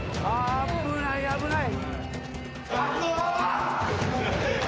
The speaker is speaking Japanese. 危ない危ない！